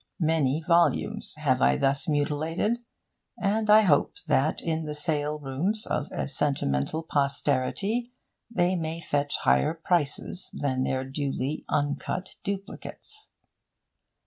Many volumes have I thus mutilated, and I hope that in the sale rooms of a sentimental posterity they may fetch higher prices than their duly uncut duplicates.